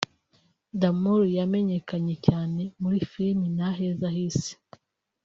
D'amour yamenyekanye cyane muri filime Ntaheza h’Isi